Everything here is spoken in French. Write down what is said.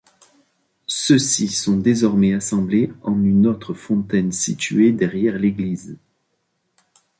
Ceux-ci sont désormais assemblés en une autre fontaine située derrière l'église.